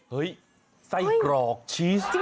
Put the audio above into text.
เฮ้ยไส้กรอกชีส